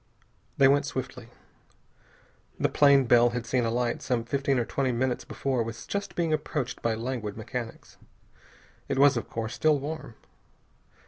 They went swiftly. The plane Bell had seen alight some fifteen or twenty minutes before was just being approached by languid mechanics. It was, of course, still warm.